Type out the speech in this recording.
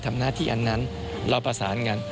ทำหน้าที่อันนั้นเราประสานกัน